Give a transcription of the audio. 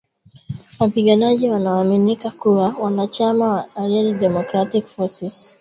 Wapiganaji wanaoaminika kuwa wanachama wa Allied Democratic Forces (ADF) walivamia kijiji cha Bulongo katika jimbo la Kivu kaskazini